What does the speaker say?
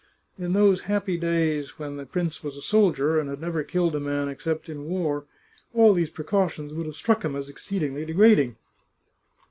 In those happy days when the prince was a soldier, and had never killed a man except in war, all these precautions would have struck him as exceed ingly degrading.